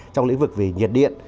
trong lĩnh vực về nhiệt điện